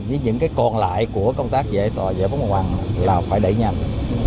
với những cái còn lại của công tác giải phóng mặt bằng là phải đẩy nhanh